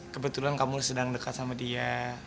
kebetulan kamu sedang dekat sama dia